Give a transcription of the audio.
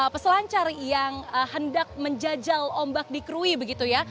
peselancar yang hendak menjajal ombak di krui begitu ya